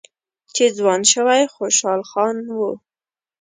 چې ځوان شوی خوشحال خان و